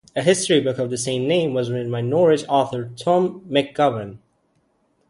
A history book of the same name was written by Norridge author Tom McGowen.